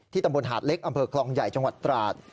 ตำบลหาดเล็กอำเภอคลองใหญ่จังหวัดตราด